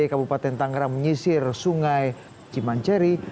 kabupaten tangerang menyisir sungai cimanceri